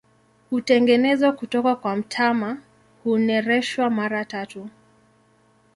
Hutengenezwa kutoka kwa mtama, hunereshwa mara tatu.